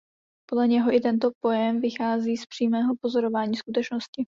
Podle něho i tento pojem vychází z přímého pozorování skutečnosti.